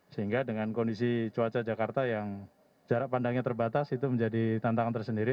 sehingga dengan kondisi cuaca jakarta yang jarak pandangnya terbatas itu menjadi tantangan tersendiri